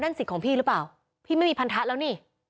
สิทธิ์ของพี่หรือเปล่าพี่ไม่มีพันธะแล้วนี่